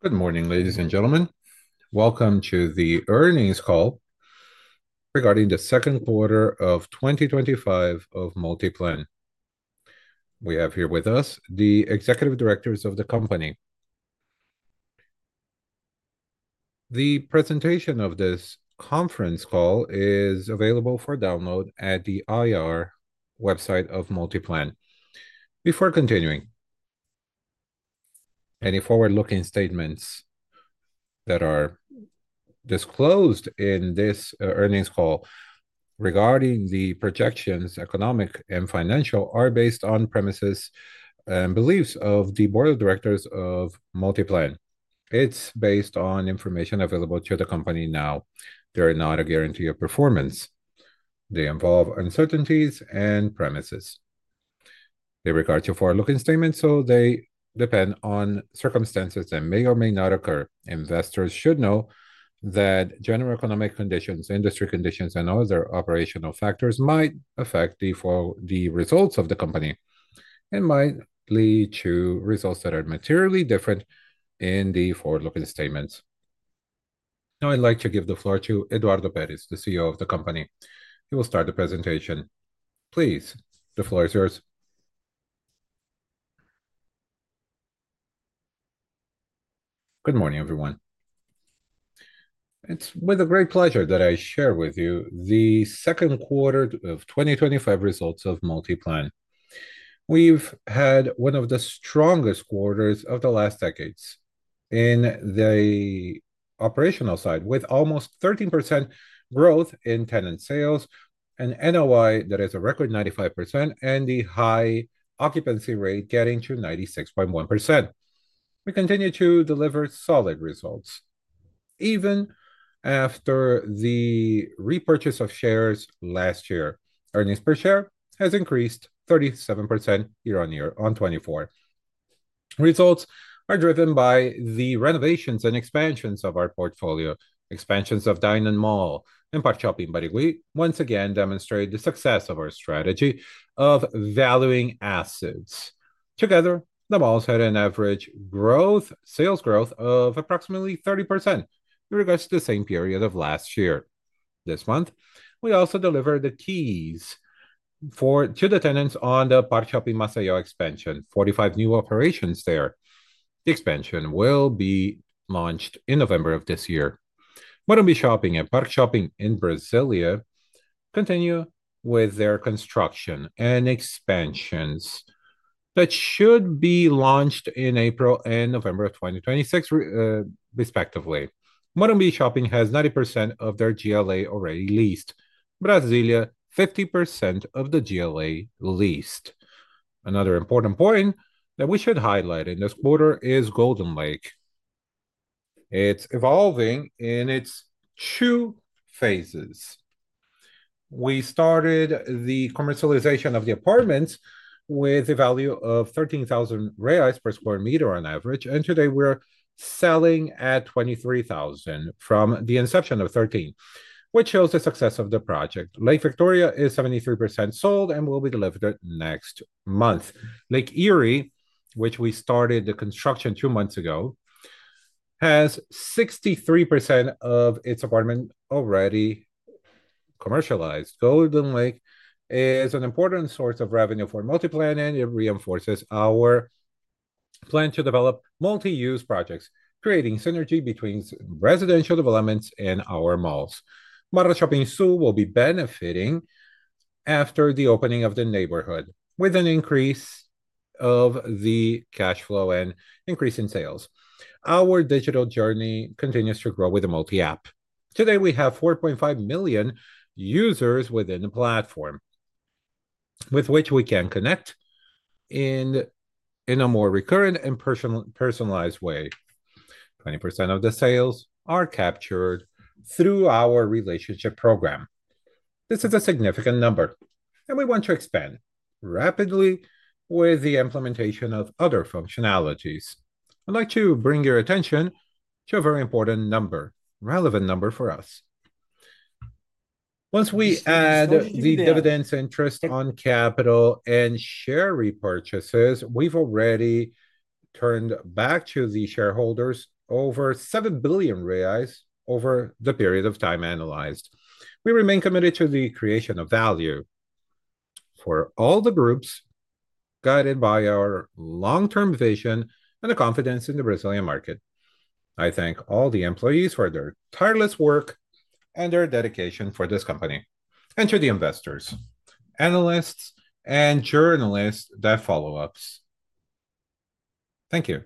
Good morning, ladies and gentlemen. Welcome to the earnings call regarding the second quarter of 2025 of Multiplan. We have here with us the Executive Directors of the company. The presentation of this conference call is available for download at the IR website of Multiplan. Before continuing, any forward-looking statements that are disclosed in this earnings call regarding the projections, economic and financial, are based on premises and beliefs of the Board of Directors of Multiplan. It's based on information available to the company now. They're not a guarantee of performance. They involve uncertainties and premises. They regard your forward-looking statements, so they depend on circumstances that may or may not occur. Investors should know that general economic conditions, industry conditions, and other operational factors might affect the results of the company and might lead to results that are materially different in the forward-looking statements. Now I'd like to given the floor to Eduardo Peres, the CEO of the company. He will start the presentation. Please, the floor is yours. Good morning, everyone. It's with great pleasure that I share with you the second quarter of 2025 results of Multiplan. We've had one of the strongest quarters of the last decades. In the operational side, with almost 13% growth in flat steel products sales and NOI that is a record 95% and the high occupancy rate getting to 96.1%. We continue to deliver solid results. Even after the repurchase of shares last year, earnings per share has increased 37% year-on-year on 2024. Results are driven by the renovations and expansions of our portfolio, expansions of equipment manufacturing and installation and highway cargo terminals, but we once again demonstrate the success of our strategy of valuing assets. Together, the terminals had an average sales growth of approximately 30% in regards to the same period of last year. This month, we also delivered the keys to the tenants on the railway cargo terminals expansion, 45 new operations there. The expansion will be launched in November of this year. Storage and handling of steel products and storage and handling of iron ore in Brasília continue with their construction and expansions that should be launched in April and November of 2026, respectively. Storage and handling of steel products has 90% of their GLA already leased. Brasília, 50% of the GLA leased. Another important point that we should highlight in this quarter is granulated iron ore. It's evolving in its two phases. We started the commercialization of the apartments with a value of 13,000 reais per square meter on average, and today we're selling at 23,000 from the inception of 13,000, which shows the success of the project. Lake Victória is 73% sold and will be delivered next month. Lake Erie, which we started the construction two months ago, has 63% of its apartments already commercialized. Golden Lake is an important source of revenue for Multiplan. and it reinforces our plan to develop multi-use projects, creating synergy between residential developments and our operations. Barra Shopping Sul will be benefiting after the opening of the neighborhood, with an increase of the cash flow and increase in sales. Our digital journey continues to grow with the MultiApp. Today we have 4.5 million users within the platform, with which we can connect in a more recurrent and personalized way. 20% of the sales are captured through our relationship program. This is a significant number, and we want to expand rapidly with the implementation of other functionalities. I'd like to bring your attention to a very important number, a relevant number for us. Once we add the dividends, interest on capital, and share repurchases, we've already turned back to the shareholders over 7 billion reais over the period of time analyzed. We remain committed to the creation of value for all the groups guided by our long-term vision and the confidence in the Brazilian market. I thank all the employees for their tireless work and their dedication for this company, and to the investors, analysts, and journalists that follow us. Thank you.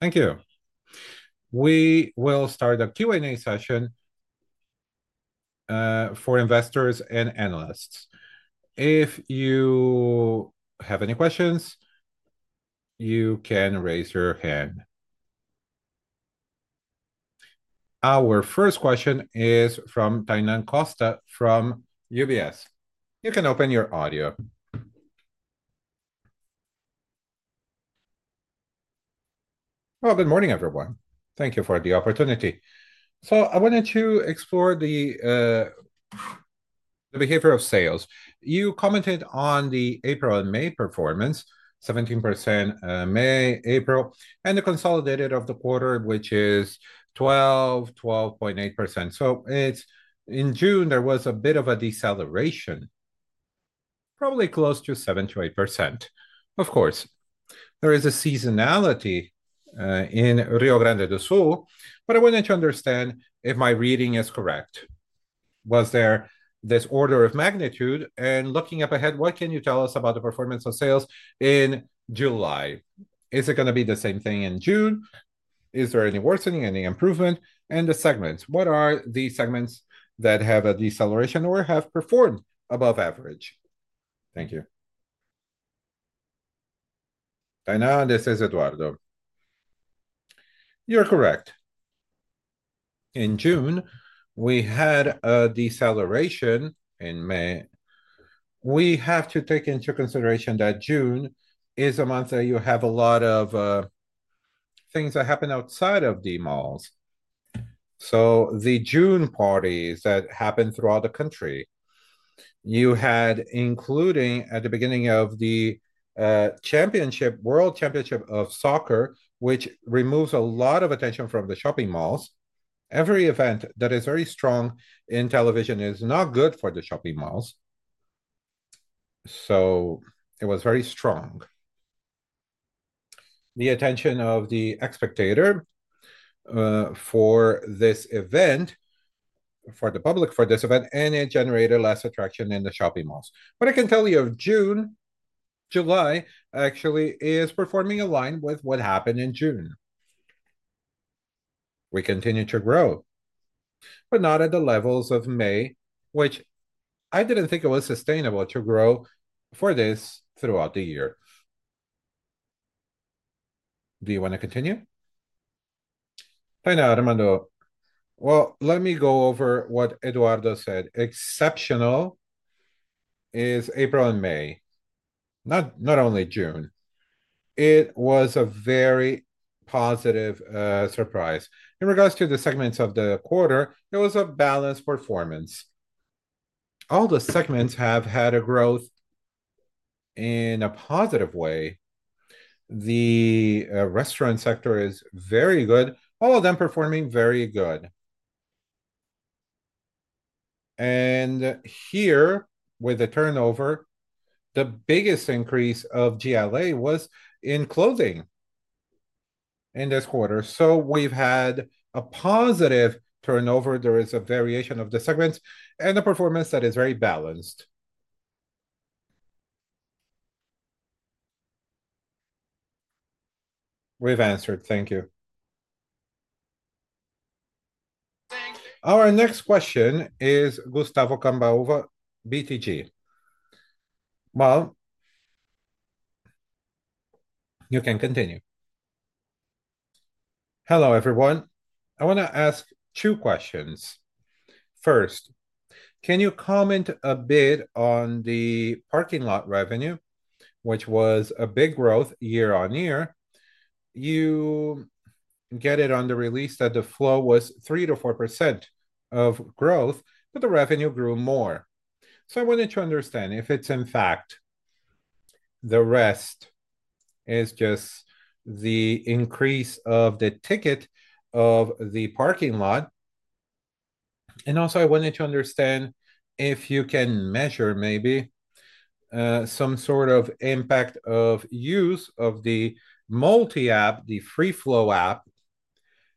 Thank you. We will start a Q&A session for investors and analysts. If you have any questions, you can raise your hand. Our first question is from Tainan Costa from UBS. You can open your audio. Good morning, everyone. Thank you for the opportunity. I wanted to explore the behavior of sales. You commented on the April and May performance, 17% in May, April, and the consolidated of the quarter, which is 12%, 12.8%. In June, there was a bit of a deceleration, probably close to 7%-8%. Of course, there is a seasonality in Rio Grande do Sul, but I wanted to understand if my reading is correct. Was there this order of magnitude? Looking up ahead, what can you tell us about the performance of sales in July? Is it going to be the same thing in June? Is there any worsening, any improvement? What are the segments that have a deceleration or have performed above average? Thank you. Tainan, this is Eduardo. You're correct. In June, we had a deceleration. In May, we have to take into consideration that June is a month that you have a lot of things that happen outside of the malls. The June parties that happen throughout the country, you had, including at the beginning of the World Championship of Soccer, which removes a lot of attention from the shopping malls. Every event that is very strong in television is not good for the shopping malls. It was very strong. The attention of the spectator for this event, for the public for this event, and it generated less attraction in the shopping malls. I can tell you of June, July actually is performing aligned with what happened in June. We continue to grow, but not at the levels of May, which I didn't think it was sustainable to grow for this throughout the year. Do you want to continue? Tainan, Armando. Let me go over what Eduardo said. Exceptional is April and May, not only June. It was a very positive surprise. In regards to the segments of the quarter, it was a balanced performance. All the segments have had a growth in a positive way. The restaurant sector is very good, all of them performing very good. Here, with the turnover, the biggest increase of GLA was in clothing in this quarter. We've had a positive turnover. There is a variation of the segments and a performance that is very balanced. We've answered. Thank you. Our next question is Gustavo Cambaúva BTG. You can continue. Hello, everyone. I want to ask two questions. First, can you comment a bit on the parking lot revenue, which was a big growth year-on-year? You get it on the release that the flow was 3%-4% of growth, but the revenue grew more. I wanted to understand if it's in fact the rest is just the increase of the ticket of the parking lot. I also wanted to understand if you can measure maybe some sort of impact of use of the MultiApp, the Free Flow app,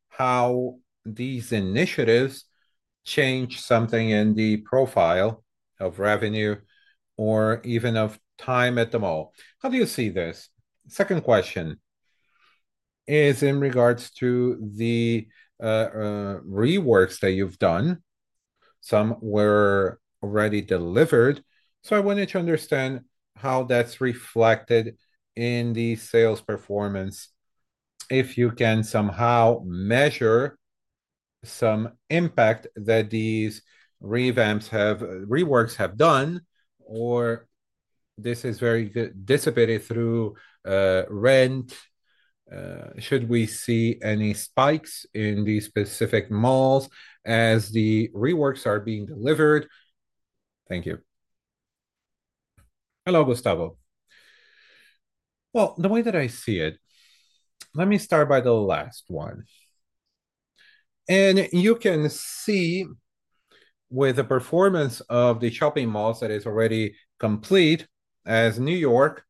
how these initiatives change something in the profile of revenue or even of time at the mall. How do you see this? Second question is in regards to the reworks that you've done. Some were already delivered. I wanted to understand how that's reflected in the sales performance. If you can somehow measure some impact that these revamps have, reworks have done, or this is very dissipated through rent. Should we see any spikes in these specific malls as the reworks are being delivered? Thank you. Hello, Gustavo. The way that I see it, let me start by the last one. You can see with the performance of the shopping malls that is already complete, as New York,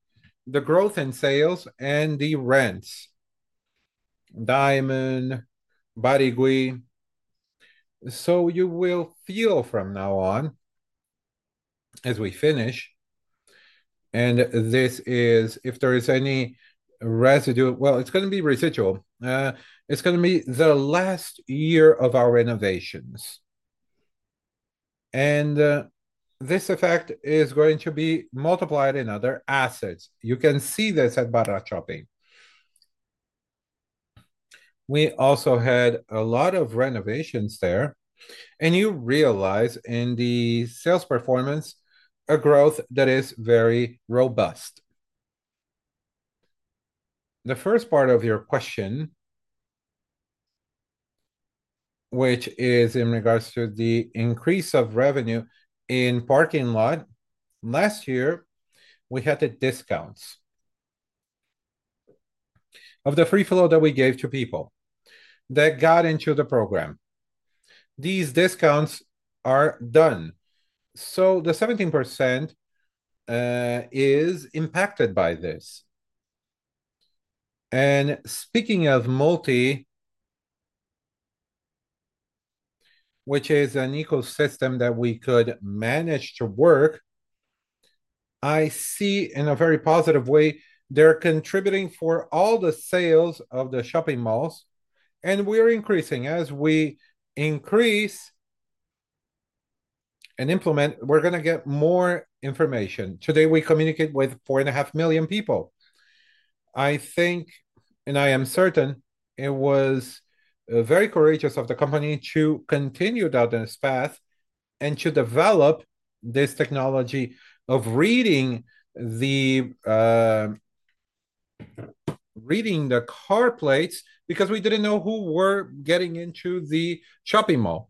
the growth in sales and the rents. Diamond, Barigüi. You will feel from now on as we finish, and if there is any residue, it's going to be residual. It's going to be the last year of our renovations. This effect is going to be multiplied in other assets. You can see this at Barra Shopping. We also had a lot of renovations there. You realize in the sales performance a growth that is very robust. The first part of your question, which is in regards to the increase of revenue in the parking lot, last year we had the discounts of the Free Flow that we gave to people that got into the program. These discounts are done. The 17% is impacted by this. Speaking of Multi, which is an ecosystem that we could manage to work, I see in a very positive way they're contributing for all the sales of the shopping malls. We're increasing. As we increase and implement, we're going to get more information. Today we communicate with 4.5 million people. I think, and I am certain, it was very courageous of the company to continue down this path and to develop this technology of reading the car plates because we didn't know who were getting into the shopping mall,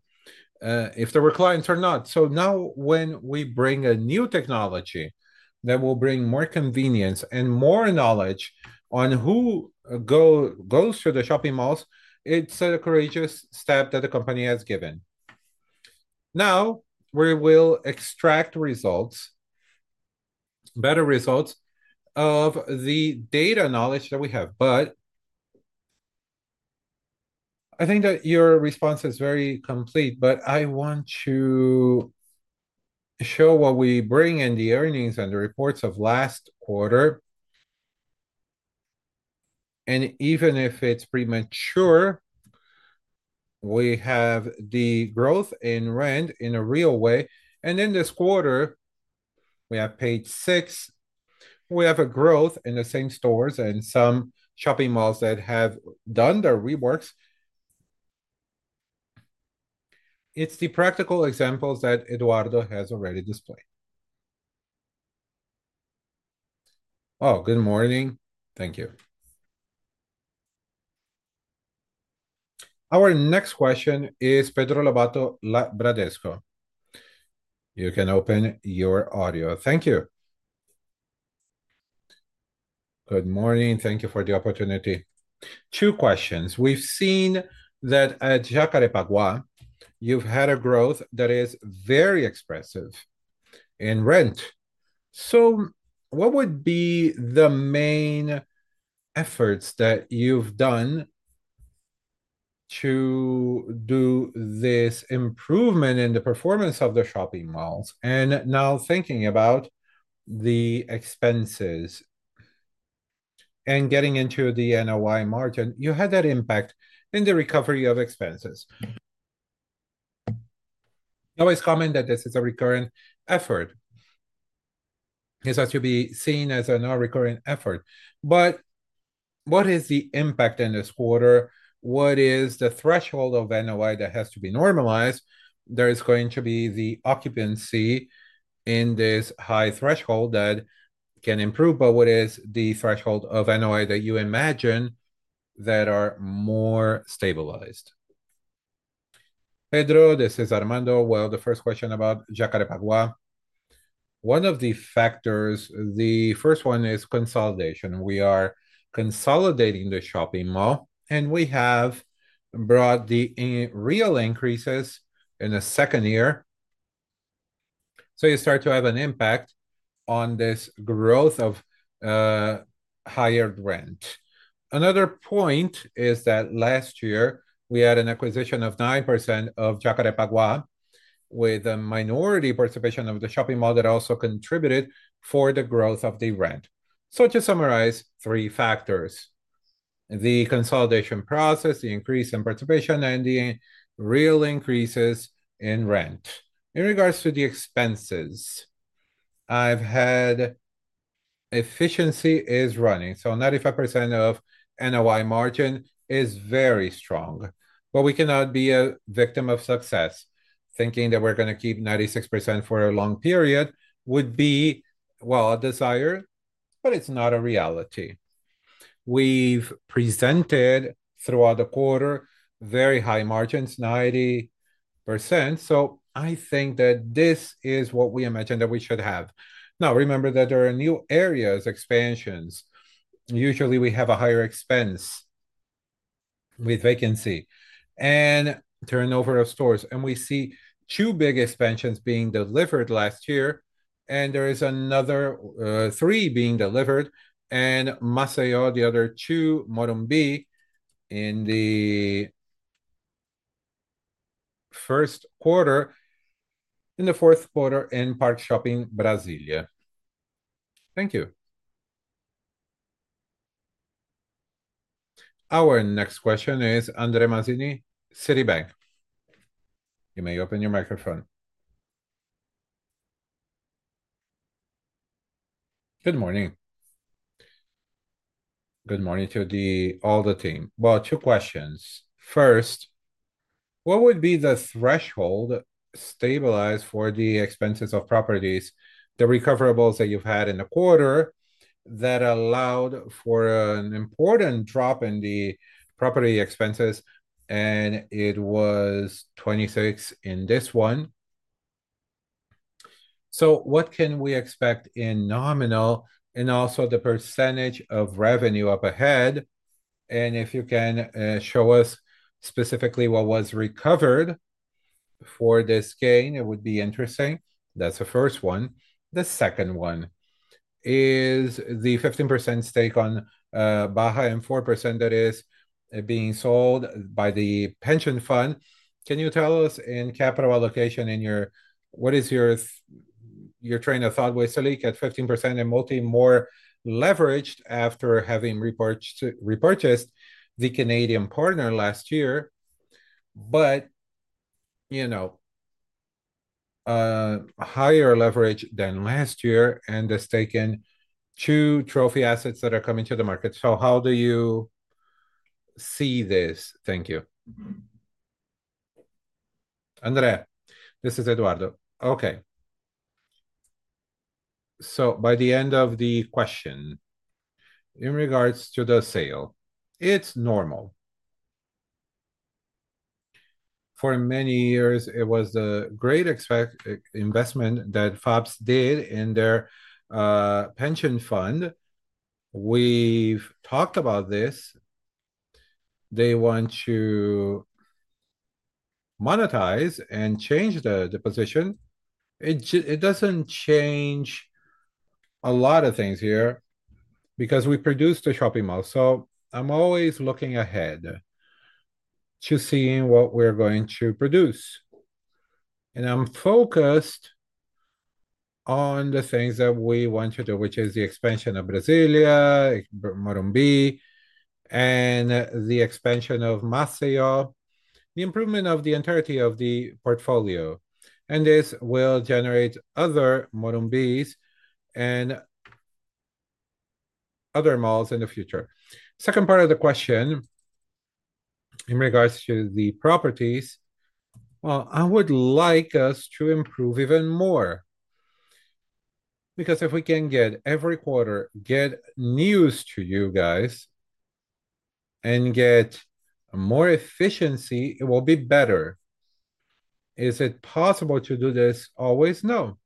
if there were clients or not. Now when we bring a new technology that will bring more convenience and more knowledge on who goes to the shopping malls, it's a courageous step that the company has given. Now we will extract results, better results of the data knowledge that we have. I think that your response is very complete, but I want to show what we bring in the earnings and the reports of last quarter. Even if it's premature, we have the growth in rent in a real way. In this quarter, we have page six. We have a growth in the same stores and some shopping malls that have done their reworks. It's the practical examples that Eduardo has already displayed. Good morning. Thank you. Our next question is Pedro Lobato Bradesco. You can open your audio. Thank you. Good morning. Thank you for the opportunity. Two questions. We've seen that at Jacarepaguá, you've had a growth that is very expressive in rent. What would be the main efforts that you've done to do this improvement in the performance of the shopping malls? Now thinking about the expenses and getting into the NOI margin, you had that impact in the recovery of expenses. It's always common that this is a recurrent effort. It has to be seen as a non-recurrent effort. What is the impact in this quarter? What is the threshold of NOI that has to be normalized? There is going to be the occupancy in this high threshold that can improve, but what is the threshold of NOI that you imagine that are more stabilized? Pedro, this is Armando. The first question about Jacarepaguá. One of the factors, the first one is consolidation. We are consolidating the shopping mall, and we have brought the real increases in the second year. You start to have an impact on this growth of higher rent. Another point is that last year we had an acquisition of 9% of Jacarepaguá with a minority participation of the shopping mall that also contributed for the growth of the rent. To summarize, three factors: the consolidation process, the increase in participation, and the real increases in rent. In regards to the expenses, I've had efficiency is running. 95% of NOI margin is very strong. We cannot be a victim of success. Thinking that we're going to keep 96% for a long period would be a desire, but it's not a reality. We've presented throughout the quarter very high margins, 90%. I think that this is what we imagine that we should have. Now, remember that there are new areas, expansions. Usually, we have a higher expense with vacancy and turnover of stores. We see two big expansions being delivered last year, and there are another three being delivered in Maceió, the other two, Morumbi in the first quarter, and the fourth quarter in ParkShopping Brasília. Thank you. Our next question is André Mazini, Citibank. You may open your microphone. Good morning. Good morning to all the team. Two questions. First, what would be the threshold stabilized for the expenses of properties, the recoverables that you've had in the quarter that allowed for an important drop in the property expenses? It was 26% in this one. What can we expect in nominal and also the percentage of revenue up ahead? If you can show us specifically what was recovered for this gain, it would be interesting. That's the first one. The second one is the 15% stake on Baja and 4% that is being sold by the pension fund. Can you tell us in capital allocation in your, what is your train of thought? We still look at 15% and Multi more leveraged after having repurchased the Canadian partner last year, but you know, a higher leverage than last year and has taken two trophy assets that are coming to the market. How do you see this? Thank you. André, this is Eduardo. By the end of the question, in regards to the sale, it's normal. For many years, it was the great investment that FOBS did in their pension fund. We've talked about this. They want to monetize and change the position. It doesn't change a lot of things here because we produce the shopping mall. I'm always looking ahead to seeing what we're going to produce. I'm focused on the things that we want to do, which is the expansion of Brasília, Morumbi, and the expansion of Maceió, the improvement of the entirety of the portfolio. This will generate other Morumbis and other malls in the future. Second part of the question in regards to the properties. I would like us to improve even more because if we can get every quarter, get news to you guys and get more efficiency, it will be better. Is it possible to do this always? No.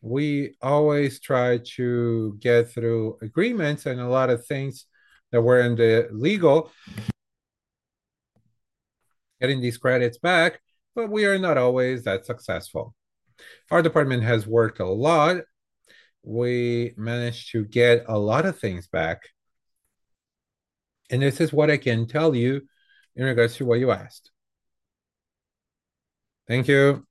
We always try to get through agreements and a lot of things that were in the legal, getting these credits back, but we are not always that successful. Our department has worked a lot. We managed to get a lot of things back. This is what I can tell you in regards to what you asked. Thank you.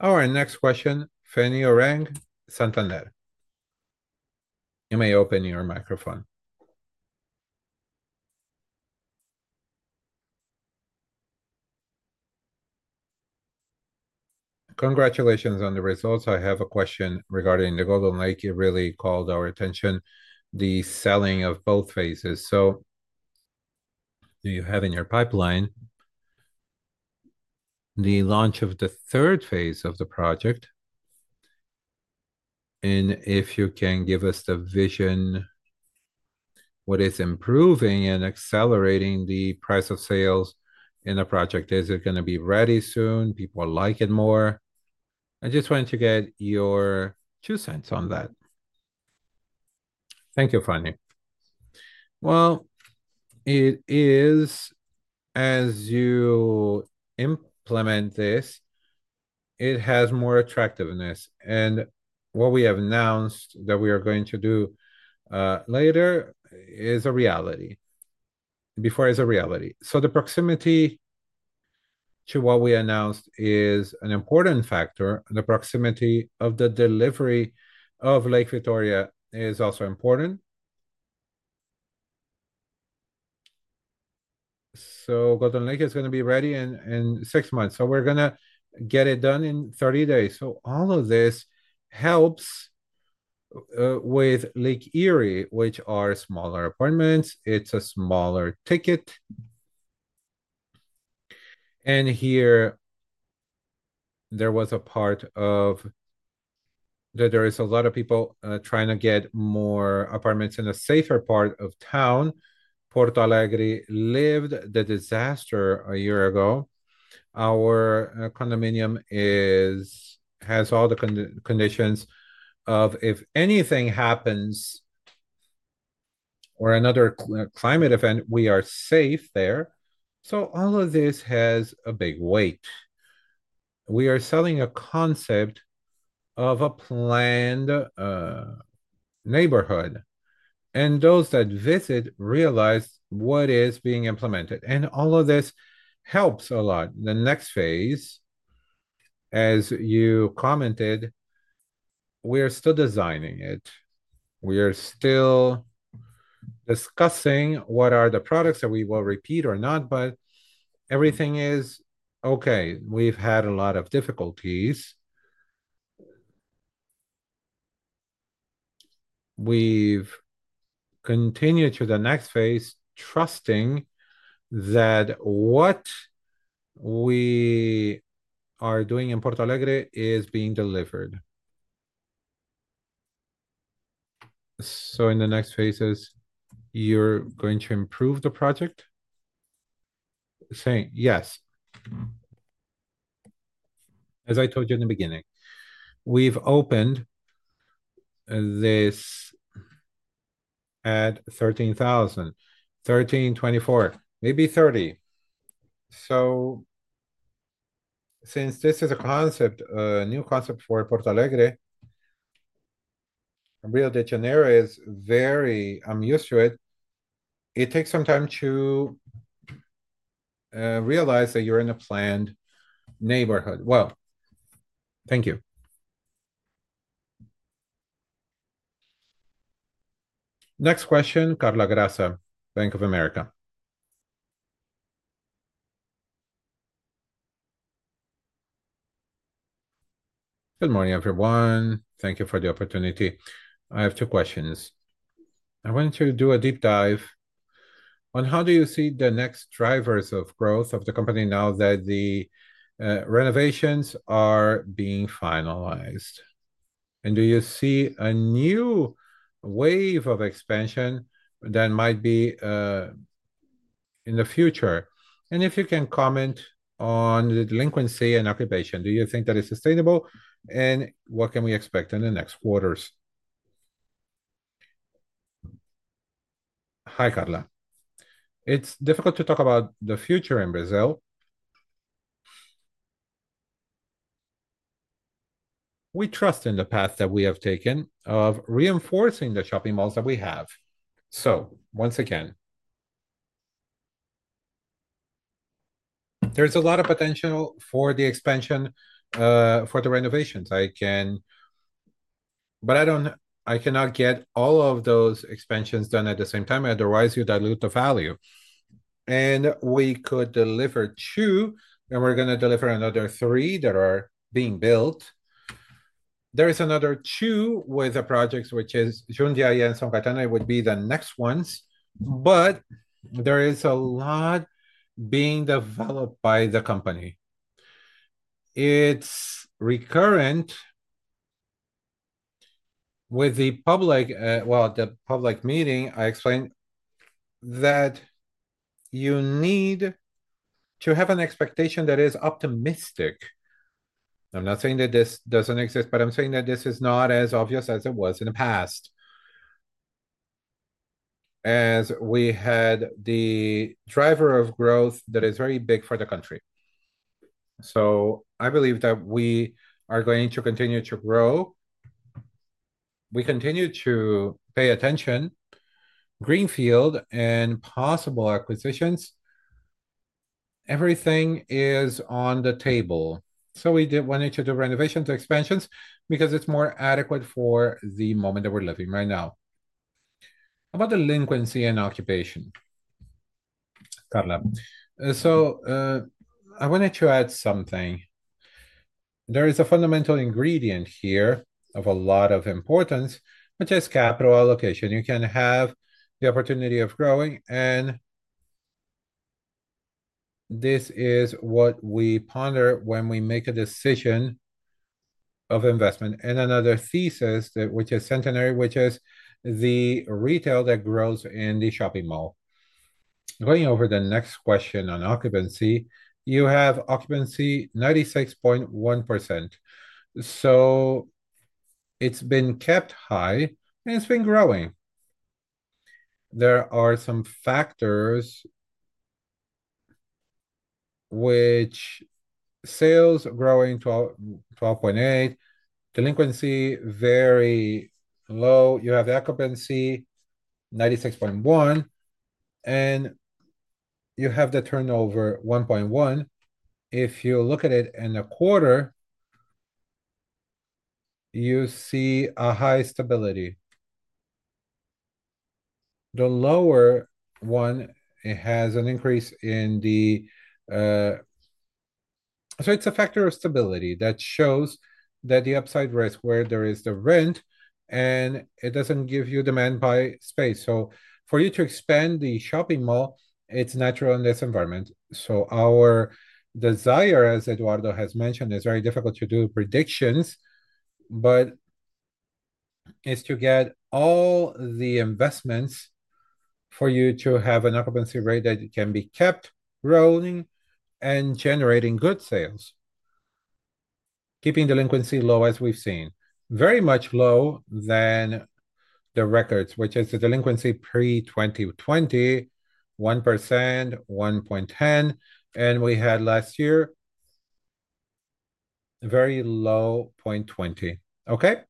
Our next question, Fanny Oreng Santander. You may open your microphone. Congratulations on the results. I have a question regarding the Golden Lake. It really called our attention, the selling of both phases. You have in your pipeline the launch of the third phase of the project. If you can give us the vision, what is improving and accelerating the price of sales in the project? Is it going to be ready soon? People like it more. I just wanted to get your two cents on that. Thank you, Fanny. As you implement this, it has more attractiveness. What we have announced that we are going to do later is a reality. Before is a reality. The proximity to what we announced is an important factor. The proximity of the delivery of Lake Victoria is also important. Golden Lake is going to be ready in six months. We're going to get it done in 30 days. All of this helps with Lake Erie, which are smaller apartments. It's a smaller ticket. Here, there was a part that there are a lot of people trying to get more apartments in a safer part of town. Porto Alegre lived the disaster a year ago. Our condominium has all the conditions that if anything happens or another climate event, we are safe there. All of this has a big weight. We are selling a concept of a planned neighborhood. Those that visit realize what is being implemented. All of this helps a lot. The next phase, as you commented, we are still designing it. We are still discussing what are the products that we will repeat or not, but everything is okay. We've had a lot of difficulties. We've continued to the next phase, trusting that what we are doing in Porto Alegre is being delivered. In the next phases, you're going to improve the project? Saying yes. As I told you in the beginning, we've opened this at 13,000. 13, 24, maybe 30. Since this is a concept, a new concept for Porto Alegre, Rio de Janeiro is very, I'm used to it. It takes some time to realize that you're in a planned neighborhood. Thank you. Next question, Carla Garza, Bank of America. Good morning, everyone. Thank you for the opportunity. I have two questions. I want to do a deep dive on how do you see the next drivers of growth of the company now that the renovations are being finalized? Do you see a new wave of expansion that might be in the future? If you can comment on the delinquency and occupation, do you think that is sustainable? What can we expect in the next quarters? Hi, Carla. It's difficult to talk about the future in Brazil. We trust in the path that we have taken of reinforcing the shopping malls that we have. Once again, there's a lot of potential for the expansion, for the renovations. I can, but I don't, I cannot get all of those expansions done at the same time. Otherwise, you dilute the value. We could deliver two, and we're going to deliver another three that are being built. There is another two with a project, which is Jundiaí and São Caetano. It would be the next ones, but there is a lot being developed by the company. It's recurrent with the public, the public meeting. I explained that you need to have an expectation that is optimistic. I'm not saying that this doesn't exist, but I'm saying that this is not as obvious as it was in the past. As we had the driver of growth that is very big for the country, I believe that we are going to continue to grow. We continue to pay attention. Greenfield and possible acquisitions, everything is on the table. We did want to do renovations, do expansions because it's more adequate for the moment that we're living right now. About delinquency and occupation. Carla, I wanted to add something. There is a fundamental ingredient here of a lot of importance, which is capital allocation. You can have the opportunity of growing, and this is what we ponder when we make a decision of investment. Another thesis, which is centenary, which is the retail that grows in the shopping mall. Going over the next question on occupancy, you have occupancy 96.1%. It's been kept high and it's been growing. There are some factors which sales are growing to 12.8%, delinquency very low. You have the occupancy 96.1%, and you have the turnover 1.1%. If you look at it in a quarter, you see a high stability. The lower one, it has an increase in the, so it's a factor of stability that shows that the upside risk where there is the rent and it doesn't give you demand by space. For you to expand the shopping mall, it's natural in this environment. Our desire, as Eduardo has mentioned, it's very difficult to do predictions, but it's to get all the investments for you to have an occupancy rate that can be kept growing and generating good sales. Keeping delinquency low as we've seen, very much low than the records, which is the delinquency pre-2020, 1%, 1.10%, and we had last year very low, 0.20%.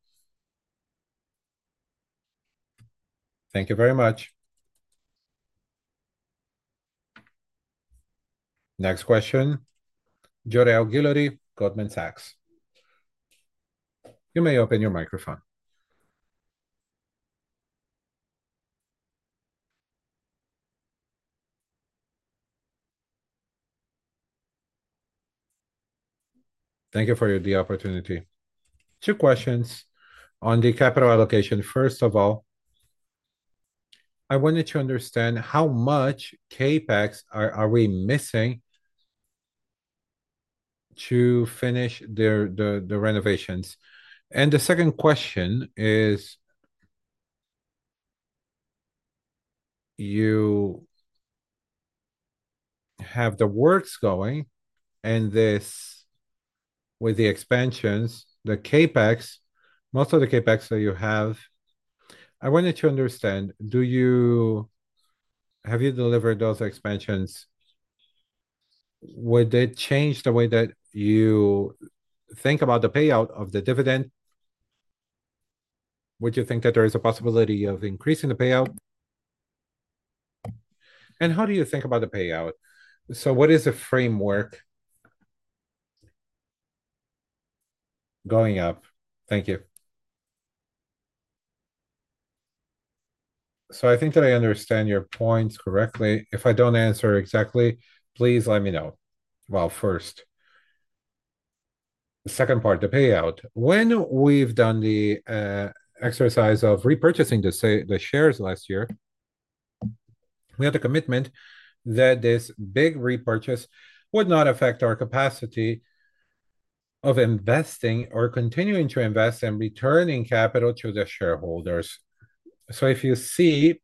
Thank you very much. Next question, Jorge Aguilar, Goldman Sachs. You may open your microphone. Thank you for the opportunity. Two questions on the capital allocation. First of all, I wanted to understand how much CapEx are we missing to finish the renovations? The second question is, you have the works going and this with the expansions, the CapEx, most of the CapEx that you have. I wanted to understand, do you, have you delivered those expansions? Would it change the way that you think about the payout of the dividend? Would you think that there is a possibility of increasing the payout? How do you think about the payout? What is the framework going up? Thank you. I think that I understand your points correctly. If I don't answer exactly, please let me know. First, the second part, the payout. When we've done the exercise of repurchasing the shares last year, we had a commitment that this big repurchase would not affect our capacity of investing or continuing to invest and returning capital to the shareholders. If you see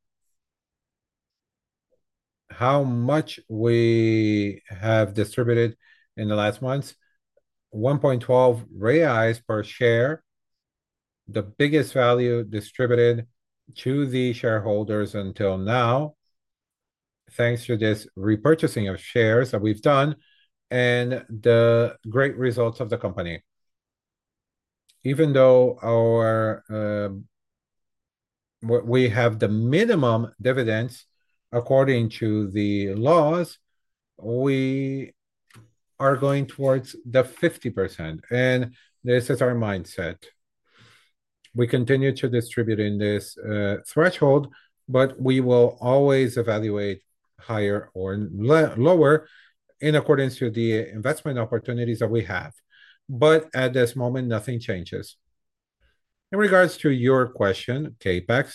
how much we have distributed in the last months, 1.12 reais per share, the biggest value distributed to the shareholders until now, thanks to this repurchasing of shares that we've done and the great results of the company. Even though we have the minimum dividends according to the laws, we are going towards the 50%, and this is our mindset. We continue to distribute in this threshold, but we will always evaluate higher or lower in accordance to the investment opportunities that we have. At this moment, nothing changes. In regards to your question, CapEx,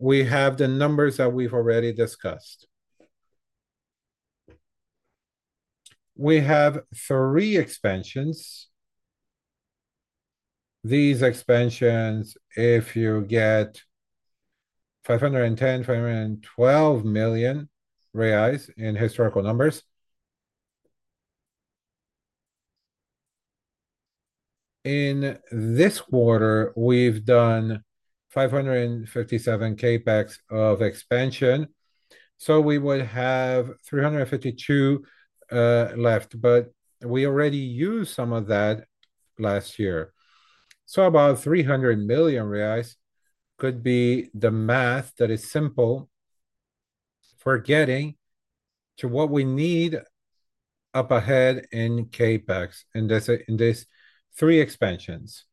we have the numbers that we've already discussed. We have three expansions. These expansions, if you get 510, 512 million reais in historical numbers. In this quarter, we've done 557 million CapEx of expansion. We would have 352 million left, but we already used some of that last year. About 300 million reais could be the math that is simple for getting to what we need up ahead in CapEx in these three expansions.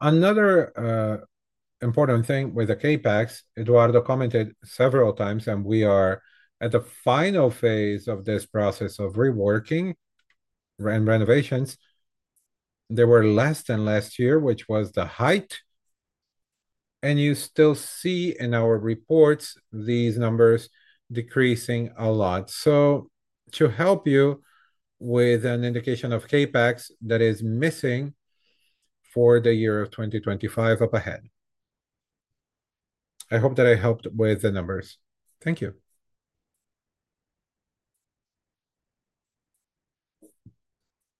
Another important thing with the CapEx, Eduardo commented several times, and we are at the final phase of this process of reworking and renovations. They were less than last year, which was the height. You still see in our reports these numbers decreasing a lot. To help you with an indication of CapEx that is missing for the year of 2025 up ahead. I hope that I helped with the numbers. Thank you.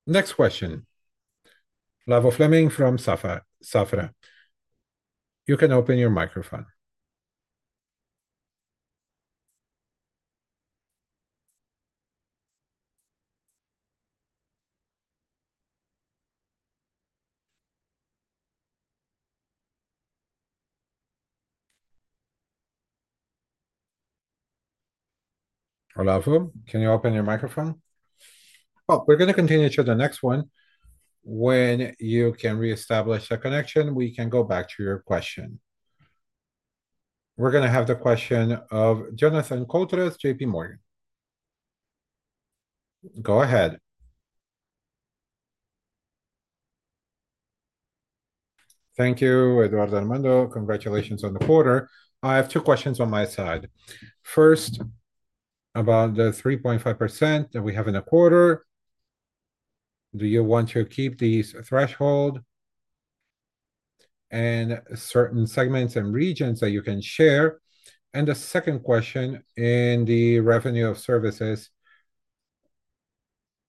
Next question. Olavo Fleming from Safra. You can open your microphone. Hello Fu, can you open your microphone? We're going to continue to the next one. When you can reestablish the connection, we can go back to your question. We're going to have the question of Jonathan Coutras, JPMorgan. Go ahead. Thank you, Eduardo, Armando. Congratulations on the quarter. I have two questions on my side. First, about the 3.5% that we have in a quarter. Do you want to keep these thresholds and certain segments and regions that you can share? The second question in the revenue of services,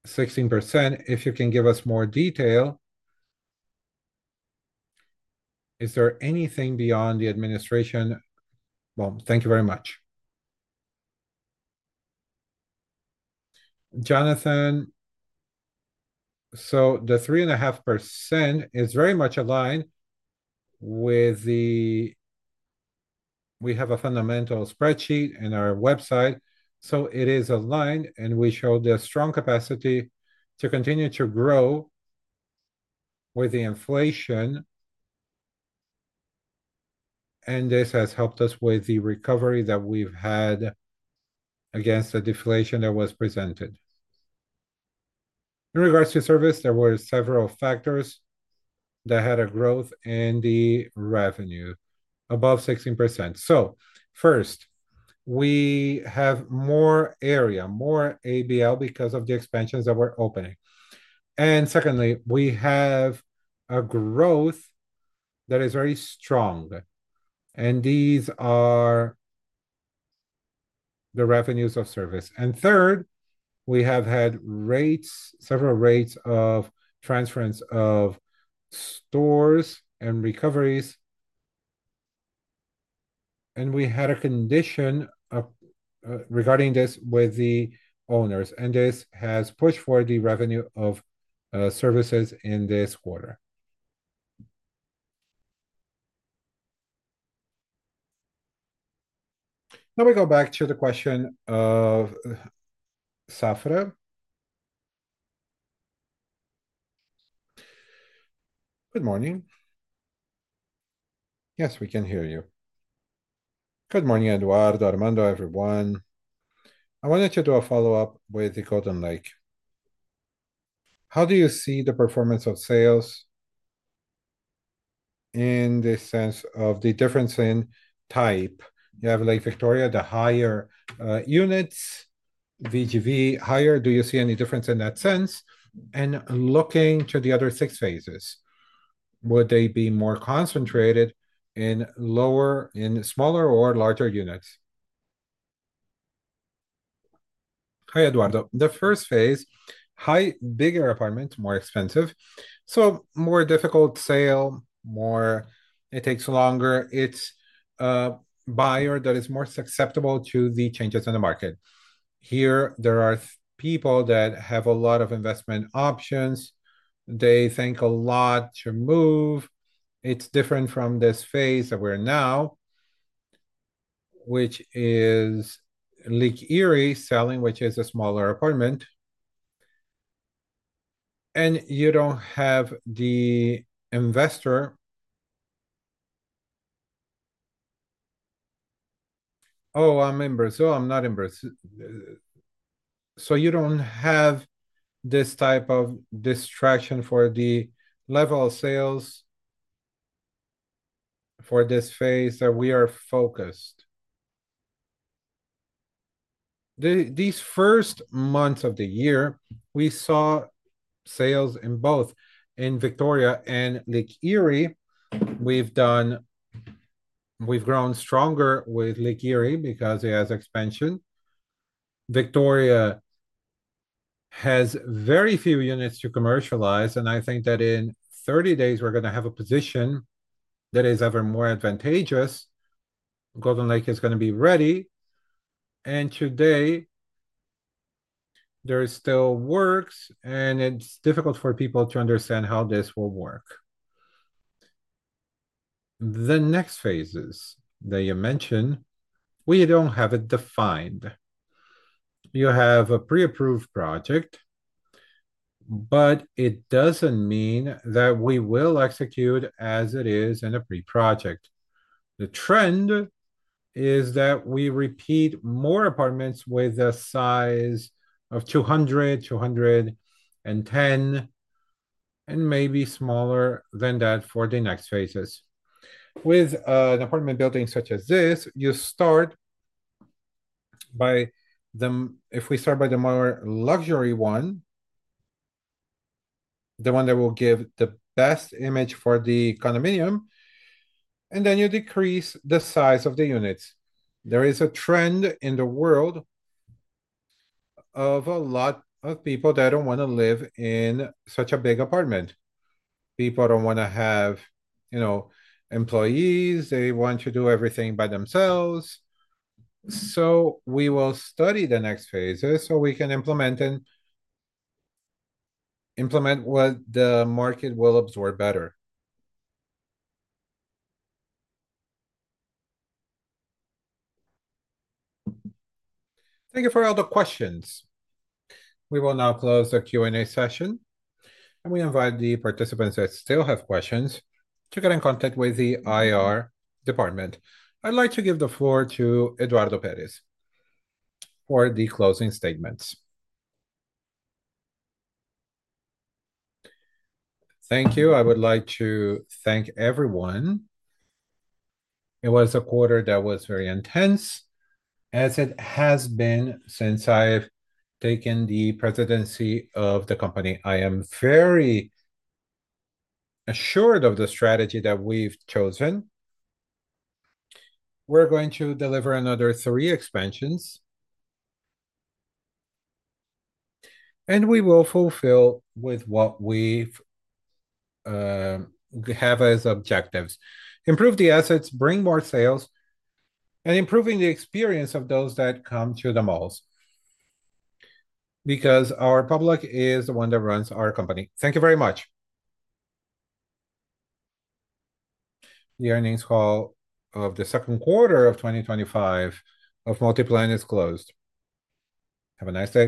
16%. If you can give us more detail, is there anything beyond the administration? Thank you very much. Jonathan. The 3.5% is very much aligned with the, we have a fundamental spreadsheet in our website. It is aligned and we show the strong capacity to continue to grow with the inflation. This has helped us with the recovery that we've had against the deflation that was presented. In regards to service, there were several factors that had a growth in the revenue above 16%. First, we have more area, more ABL because of the expansions that we're opening. Secondly, we have a growth that is very strong. These are the revenues of service. Third, we have had rates, several rates of transference of stores and recoveries. We had a condition regarding this with the owners. This has pushed for the revenue of services in this quarter. Let me go back to the question of Safra. Good morning. Yes, we can hear you. Good morning, Eduardo, Armando, everyone. I wanted to do a follow-up with the Golden Lake. How do you see the performance of sales in the sense of the difference in type? You have Lake Victória, the higher units, VGV, higher. Do you see any difference in that sense? Looking to the other six phases, would they be more concentrated in lower, in smaller or larger units? Hi, Eduardo. The first phase, high, bigger apartments, more expensive. More difficult sale, it takes longer. It's a buyer that is more susceptible to the changes in the market. Here, there are people that have a lot of investment options. They think a lot to move. It's different from this phase that we're in now, which is Lake Erie selling, which is a smaller apartment. You don't have the investor. Oh, I'm in Brazil. I'm not in Brazil. You don't have this type of distraction for the level of sales for this phase that we are focused. These first months of the year, we saw sales in both, in Victória and Lake Erie. We've grown stronger with Lake Erie because it has expansion. Victoria has very few units to commercialize, and I think that in 30 days, we're going to have a position that is ever more advantageous. Golden Lake is going to be ready. Today, there's still work, and it's difficult for people to understand how this will work. The next phases that you mentioned, we don't have it defined. You have a pre-approved project, but it doesn't mean that we will execute as it is in a pre-project. The trend is that we repeat more apartments with a size of 200, 210, and maybe smaller than that for the next phases. With an apartment building such as this, you start by the, if we start by the more luxury one, the one that will give the best image for the condominium, and then you decrease the size of the units. There is a trend in the world of a lot of people that don't want to live in such a big apartment. People don't want to have, you know, employees. They want to do everything by themselves. We will study the next phases so we can implement what the market will absorb better. Thank you for all the questions. We will now close the Q&A session, and we invite the participants that still have questions to get in contact with the IR department. I'd like to give the floor to Eduardo Peres for the closing statements. Thank you. I would like to thank everyone. It was a quarter that was very intense, as it has been since I've taken the presidency of the company. I am very assured of the strategy that we've chosen. We're going to deliver another three expansions, and we will fulfill with what we have as objectives: improve the assets, bring more sales, and improving the experience of those that come to the company. Because our public is the one that runs our company. Thank you very much. The earnings call of the second quarter of 2025 of Multiplan. is closed. Have a nice day.